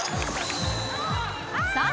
さあ